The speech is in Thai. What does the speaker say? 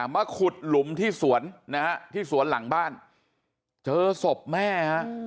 เพราะว่าขุดหลุมที่สวนหลังบ้านเจอศพแม่